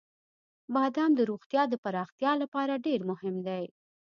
• بادام د روغتیا د پراختیا لپاره ډېر مهم دی.